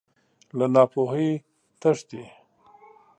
له ناپوهۍ تښتې.